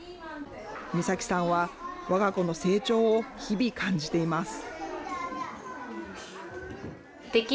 美咲さんは、わが子の成長を日々感じています。